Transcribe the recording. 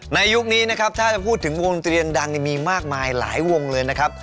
ยุคนี้นะครับถ้าจะพูดถึงวงดนตรีดังมีมากมายหลายวงเลยนะครับ